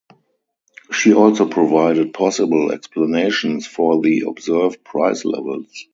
She also provided possible explanations for the observed price levels.